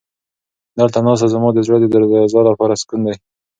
دلته ناسته زما د زړه د درزا لپاره سکون دی.